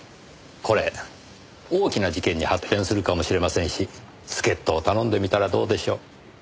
これ大きな事件に発展するかもしれませんし助っ人を頼んでみたらどうでしょう？